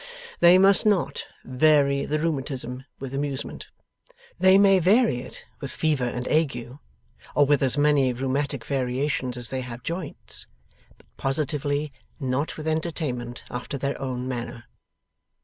They MUST NOT vary the rheumatism with amusement. They may vary it with fever and ague, or with as many rheumatic variations as they have joints; but positively not with entertainment after their own manner.